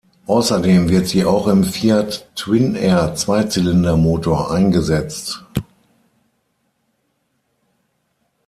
Außerdem wird sie auch im Fiat Twin-Air Zweizylinder-Motor eingesetzt.